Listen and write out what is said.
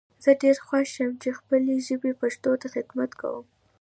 زه ډیر خوښ یم چی خپلې ژبي پښتو ته خدمت کوم